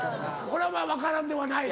これはまぁ分からんではない？